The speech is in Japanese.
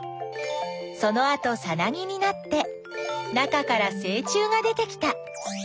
そのあとさなぎになって中からせい虫が出てきた。